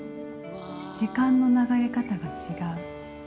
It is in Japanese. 時間の流れ方が違う。